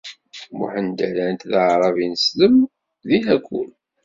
Muḥend rran-t d aεṛav-ineslem di lakul.